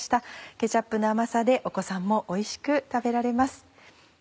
ケチャップの甘さでお子さまもおいしく食べられます。